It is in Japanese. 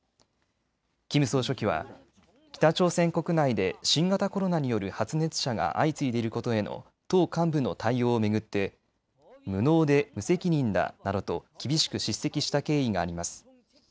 キム総書記は北朝鮮国内で新型コロナによる発熱者が相次いでいることへの党幹部の対応を巡って、無能で無責任だなどと厳しく叱責した経緯があります。